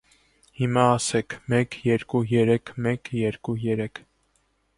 Հիմա ասեք՝ մեկ, երկու, երեք, մեկ, երկու, երեք…